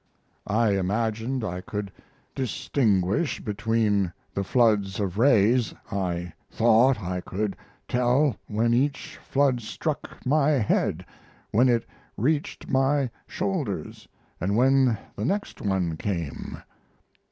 I imagined I could distinguish between the floods of rays. I thought I could tell when each flood struck my head, when it reached my shoulders, and when the next one came.